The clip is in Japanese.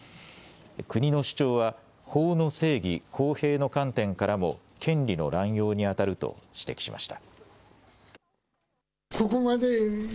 国の主張は法の正義・公平の観点からも権利の乱用にあたると指摘しました。